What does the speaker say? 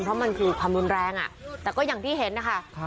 เพราะมันคือความรุนแรงแต่ก็อย่างที่เห็นนะคะ